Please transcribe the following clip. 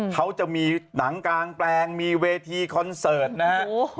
เขาจะมีหนังกางแปลงมีเวทีคอนเสิร์ตนะฮะ